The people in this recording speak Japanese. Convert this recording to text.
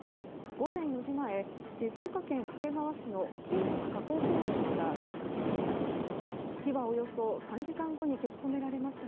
午前４時前、静岡県掛川市の金属加工工場から出火しました。